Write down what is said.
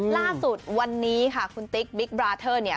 ล่าสุดวันนี้ค่ะคุณติ๊กบิ๊กบราเทอร์เนี่ย